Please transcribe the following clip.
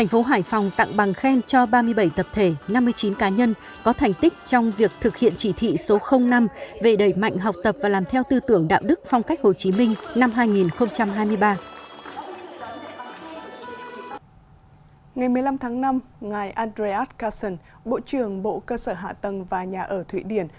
ngày một mươi năm tháng năm ngài andreas kassel bộ trưởng bộ cơ sở hạ tầng và nhà ở thụy điển